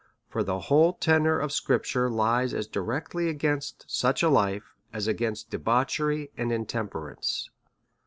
For the whole tenor of scripture lies as directly against such a life as against debauchery and intemperance.